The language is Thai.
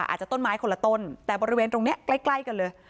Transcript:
อาจจะต้นไม้คนละต้นแต่บริเวณตรงนี้ใกล้กันเลย